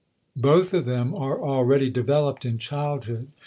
Both of them are already developed in childhood.